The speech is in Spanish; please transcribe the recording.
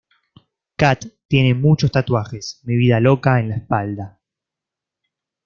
Kat tiene muchos tatuajes: "mi vida loca" en la espalda.